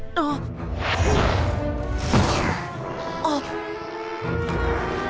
あっ！